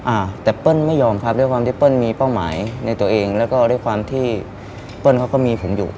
อ่าแต่เปิ้ลไม่ยอมครับด้วยความที่เปิ้ลมีเป้าหมายในตัวเองแล้วก็ด้วยความที่เปิ้ลเขาก็มีผมอยู่